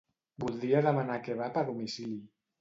Voldria demanar kebab a domicili.